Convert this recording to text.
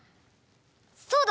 そうだ！